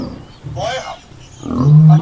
تاریخي آثارو ئې نقش تاییداوه.